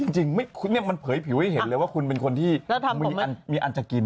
จริงมันเผยผิวให้เห็นเลยว่าคุณเป็นคนที่มีอันจะกิน